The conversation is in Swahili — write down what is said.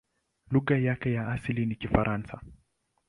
Lugha yake ya asili ni Kifaransa.